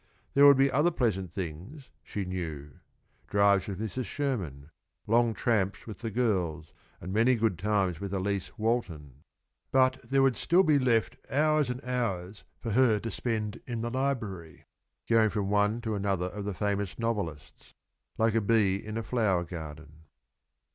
There would be other pleasant things, she knew, drives with Mrs. Sherman, long tramps with the girls, and many good times with Elise Walton; but there would still be left hours and hours for her to spend in the library, going from one to another of the famous novelists, like a bee in a flower garden.